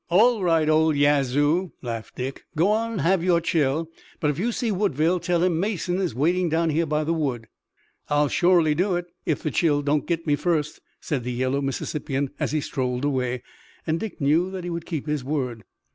"All right, old Yazoo," laughed Dick. "Go on and have your chill, but if you see Woodville tell him Mason is waiting down here by the wood." "I'll shorely do it, if the chill don't git me fust," said the yellow Mississippian as he strolled away, and Dick knew that he would keep his word.